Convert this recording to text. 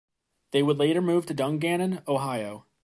They would later move to Dungannon, Ohio.